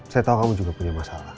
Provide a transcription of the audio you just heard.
saya tahu kamu juga punya masalah